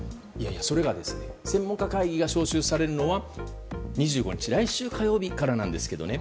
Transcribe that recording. それが専門家会議が招集されるのが２５日来週火曜日からなんですけどね。